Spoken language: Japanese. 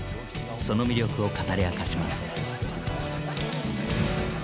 その魅力を語り明かします。